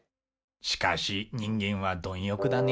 しかし人間は貪欲だねえ。